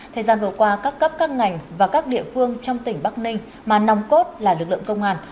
thời gian vừa qua các cấp các ngành và các địa phương trong tỉnh bắc ninh mà nòng cốt là lực lượng công an